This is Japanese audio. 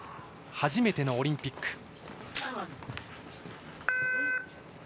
初めてのオリンピック。